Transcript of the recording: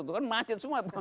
itu kan macet semua